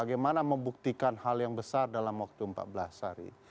bagaimana membuktikan hal yang besar dalam waktu empat belas hari